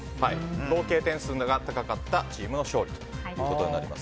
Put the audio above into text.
合計点数の高かったチームの勝利となります。